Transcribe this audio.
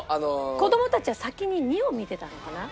子供たちは先に２を見てたのかな？